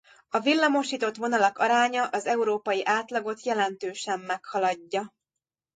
A villamosított vonalak aránya az európai átlagot jelentősen meghaladja.